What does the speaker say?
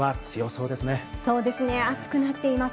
そうですね、暑くなっています。